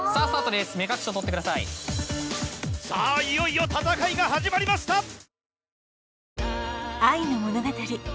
いよいよ戦いが始まりました。